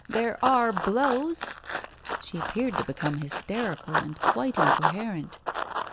There are blows. ..!" She appeared to become hysterical and quite incoher ent.